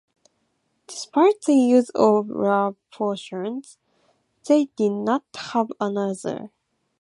Despite the use of love potions, they did not have another.